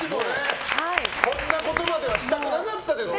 こんなことまではしたくなかったですよ。